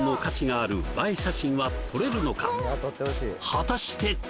果たして？